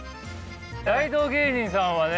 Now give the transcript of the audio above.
大道芸人さんはね